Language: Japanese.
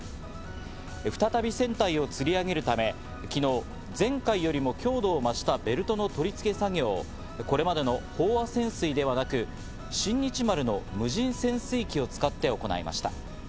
再び船体をつり上げるため、昨日、前回よりも強度を増したベルトの取り付け作業をこれまでの飽和潜水ではなく、「新日丸」の無人潜水機を使って行いました。